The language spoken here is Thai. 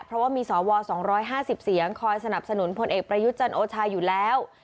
เพราะว่ามีสว๒๕๐เสียงคอยสนับสนุนพลเอกประยุทธ์จันโอชาอยู่แล้ว